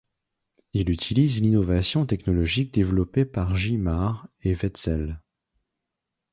Il utilise l'innovation technologique développée par Gimart et Wetzell.